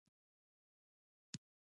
دیوالي د رڼاګانو جشن دی.